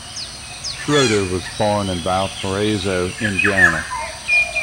Schroeder was born in Valparaiso, Indiana.